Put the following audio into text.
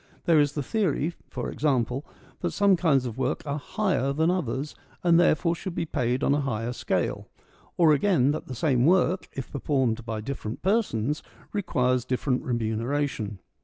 There is the theory, for example, that some kinds of work are higher than others, and therefore should be paid on a higher scale. Or again, that the same work, if performed by different persons, requires different remuneration.